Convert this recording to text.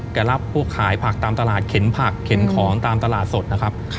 แกรับพวกขายผักตามตลาดเข็นผักเข็นของตามตลาดสดนะครับ